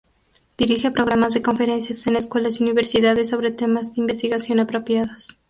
Dirige programas de conferencias en escuelas y universidades sobre temas de investigación apropiados.